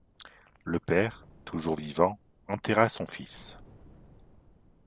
Le père, toujours vivant, enterra son fils.